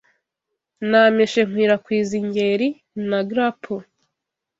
Nameshe nkwirakwiza ingeri na grapple